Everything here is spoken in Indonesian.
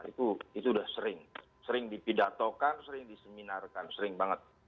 itu sudah sering sering dipidatokan sering diseminarkan sering banget